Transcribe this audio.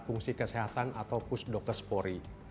fungsi kesehatan atau pusdokaspori